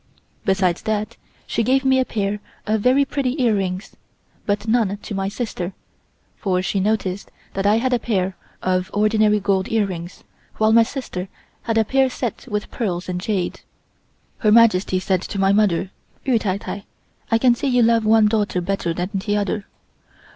Besides that, she gave me a pair of very pretty earrings, but none to my sister, for she noticed that I had a pair of ordinary gold earrings, while my sister had a pair set with pearls and jade. Her Majesty said to my mother: "Yu Tai Tai. I can see you love one daughter better than the other.